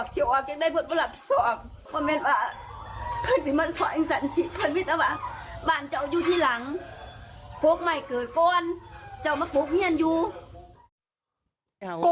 จะมาปลูกเฮียนอยู่